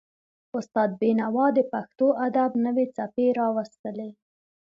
استاد بینوا د پښتو ادب نوې څپې راوستلې.